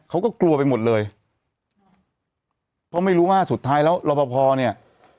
เขาก็กลัวไปหมดเลยเพราะไม่รู้ว่าสุดท้ายแล้วรอปภเนี่ย